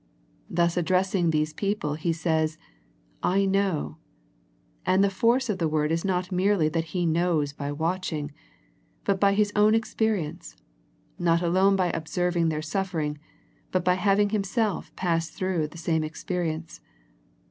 Thus addressing these people He says " I know,'' and the force of the word is not merely that He knows by watching, but by His own experience, not alone by observing their suf fering, but by having Himself passed through the same experience.